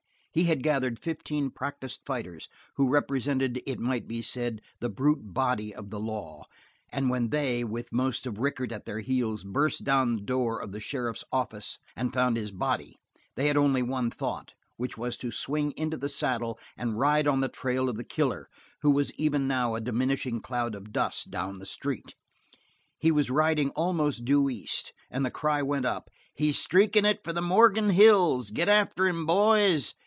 He had gathered fifteen practiced fighters who represented, it might be said, the brute body of the law, and when they, with most of Rickett at their heels, burst down the door of the Sheriff's office and found his body, they had only one thought, which was to swing into the saddle and ride on the trail of the killer, who was even now in a diminishing cloud of dust down the street. He was riding almost due east, and the cry went up: "He's streakin' it for the Morgan Hills. Git after him, boys!"